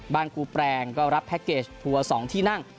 กูแปลงก็รับแพ็คเกจทัวร์๒ที่นั่ง